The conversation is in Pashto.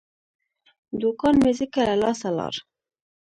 دوکان مې ځکه له لاسه لاړ.